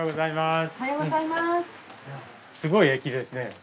すごい駅ですね。